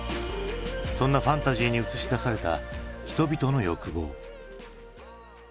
そんなファンタジーに映し出された人々の欲望。